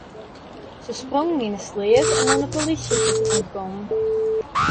Se sprongen yn in sleat om oan de polysje te ûntkommen.